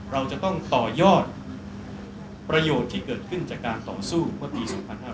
เราจะต้องต่อยอดประโยชน์ที่เกิดขึ้นจากการต่อสู้เมื่อปี๒๕๕๙